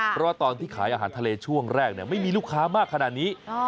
เพราะว่าตอนที่ขายอาหารทะเลช่วงแรกไม่มีลูกค้ามากขนาดนี้